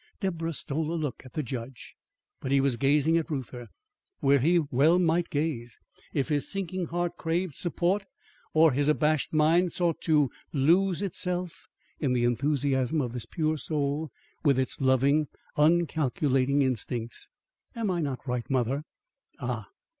Deborah stole a look at the judge. But he was gazing at Reuther, where he well might gaze, if his sinking heart craved support or his abashed mind sought to lose itself in the enthusiasm of this pure soul, with its loving, uncalculating instincts. "Am I not right, mother?" Ah!